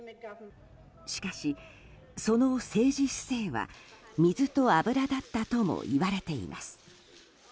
しかし、その政治姿勢は水と油だったともいわれています。